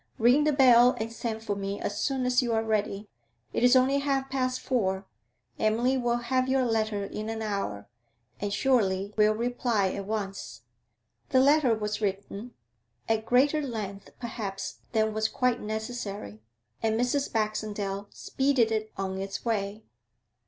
Ring the bell and send for me as soon as you are ready. It is only half past four; Emily will have your letter in an hour, and surely will reply at once.' The letter was written, at greater length perhaps than was quite necessary, and Mrs. Baxendale speeded it on its way.